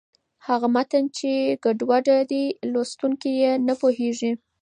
هغه متن چې ګډوډه دی، لوستونکی یې نه پوهېږي.